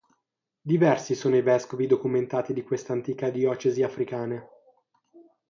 Diversi sono i vescovi documentati di questa antica diocesi africana.